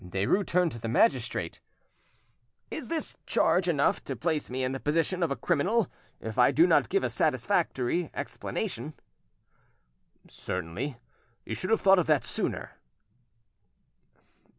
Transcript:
Derues turned to the magistrate. "Is this charge enough to place me in the position of a criminal if I do not give a satisfactory explanation?" "Certainly; you should have thought of that sooner."